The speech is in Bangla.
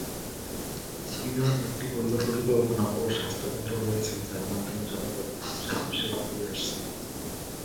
ইউনিয়নে একটি পরিবার পরিকল্পনা ও স্বাস্থ্য কেন্দ্র রয়েছে যার মাধ্যমে জনগণ স্বাস্থ্য সেবা পেয়ে আসছে।